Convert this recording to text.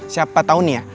siapa tau nih ya